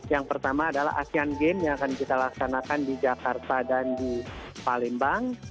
yang pertama adalah asean games yang akan kita laksanakan di jakarta dan di palembang